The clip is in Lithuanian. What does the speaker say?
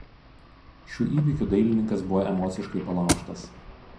Šių įvykių dailininkas buvo emociškai palaužtas.